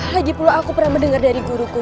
lagipula aku pernah mendengar dari guruku